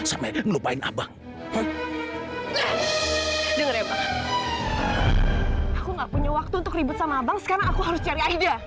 aku gak punya waktu untuk ribut sama abang sekarang aku harus cari idea